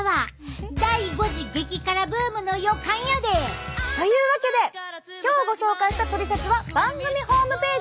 第５次激辛ブームの予感やで！というわけで今日ご紹介したトリセツは番組ホームページ！